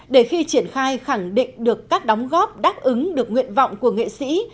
để khi triển khai khẳng định được các đóng góp đáp ứng được nguyện vọng của nghệ sĩ